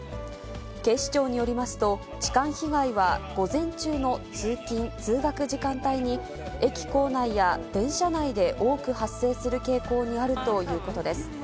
警視庁によりますと、痴漢被害は、午前中の通勤・通学時間帯に、駅構内や電車内で多く発生する傾向にあるということです。